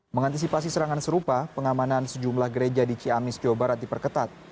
mengantisipasi serangan serupa pengamanan sejumlah gereja di ciamis jawa barat diperketat